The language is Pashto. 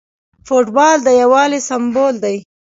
فوټبال د یووالي سمبول دی.